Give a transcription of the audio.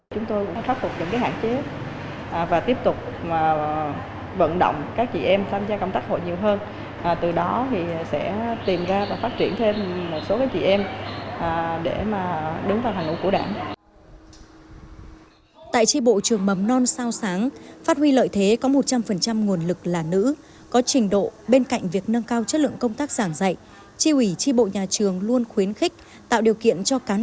chúng tôi khắc phục những hạn chế và tiếp tục vận động các chị em tham gia công tác hội nhiều hơn